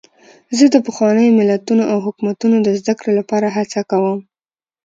زه د پخوانیو متلونو او حکمتونو د زدهکړې لپاره هڅه کوم.